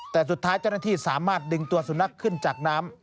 แต่สุดท้ายเจ้าหน้าที่สามารถดึงตัวสุนัขขึ้นจากน้ำ